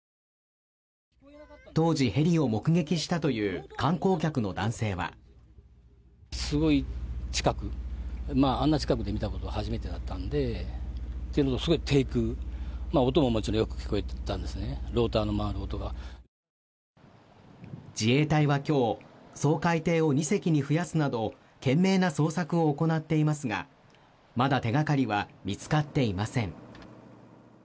当時ヘリを目撃したという観光客の男性は自衛隊は今日、掃海艇を２隻に増やすなど懸命な捜索を行っていますがまだ手がかりは見つかっていません。